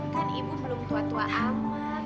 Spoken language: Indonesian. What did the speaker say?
kan ibu belum tua tua